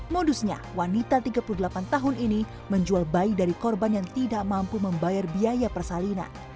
modusnya wanita tiga puluh delapan tahun ini menjual bayi dari korban yang tidak mampu membayar biaya persalinan